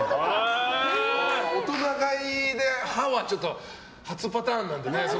大人買いで歯はちょっと初パターンなんでね。